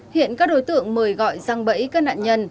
hiện các đối tượng mời gọi răng bẫy các nạn nhân